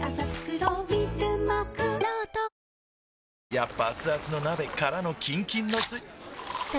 やっぱアツアツの鍋からのキンキンのスん？